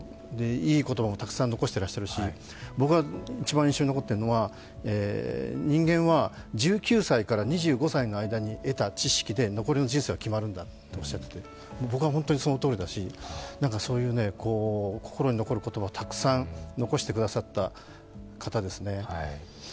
いい言葉もたくさん残していらっしゃるし、僕は一番印象に残ってるのは人間は１９歳から２５歳までに得た知識で残りの人生は決まるんだっておっしゃっていて僕は本当にそのとおりだし、そういう心に残る言葉をたくさん残してくださった方ですね。